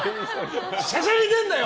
しゃしゃり出んなよ！